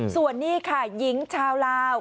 ส่วนนี้ค่ะหญิงชาวลาว